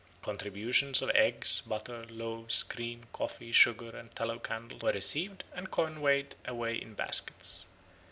Contributions of eggs, butter, loaves, cream, coffee, sugar, and tallow candles were received and conveyed away in baskets.